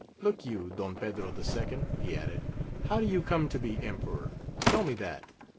Look you, Don Pedro II.," he added, "how do you come to be Emperor? Tell me that.